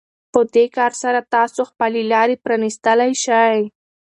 په دې کار سره تاسو خپلې لارې پرانيستلی شئ.